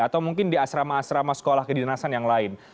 atau mungkin di asrama asrama sekolah kedinasan yang lain